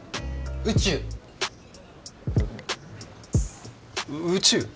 宇宙う宇宙？